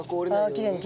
きれいに。